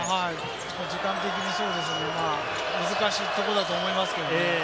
時間的にそうですね、難しいとこだと思いますけれども。